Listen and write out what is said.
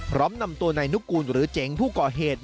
พร้อมนำตัวนายนุกูลหรือเจ๋งผู้ก่อเหตุ